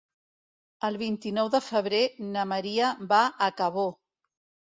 El vint-i-nou de febrer na Maria va a Cabó.